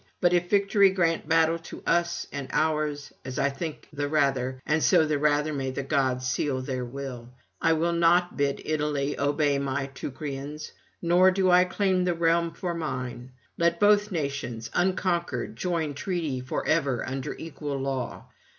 But if Victory grant battle to us and ours (as I think the rather, and so the rather may the gods seal their will), I will not bid Italy obey my Teucrians, nor do I claim the realm for mine; let both nations, unconquered, join treaty for ever under equal law.